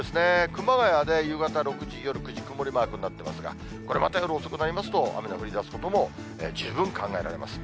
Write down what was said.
熊谷で夕方６時、夜９時、曇りマークになってますが、これまた夜遅くなりますと、雨の降りだすことも十分考えられます。